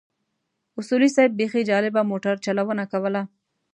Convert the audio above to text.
اصولي صیب بيخي جالبه موټر چلونه کوله.